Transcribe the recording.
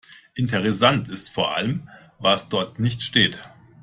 Interessant ist vor allem, was dort nicht steht.